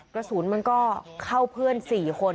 กระสุนมันก็เข้าเพื่อน๔คน